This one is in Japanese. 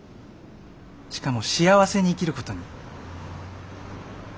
しかも幸せに生きることに。